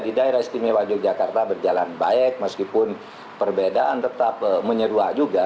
di daerah istimewa yogyakarta berjalan baik meskipun perbedaan tetap menyeruak juga